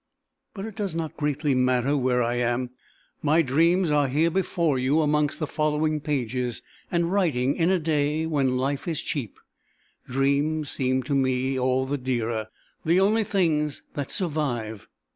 But it does not greatly matter where I am; my dreams are here before you amongst the following pages; and writing in a day when life is cheap, dreams seem to me all the dearer, the only things that survive.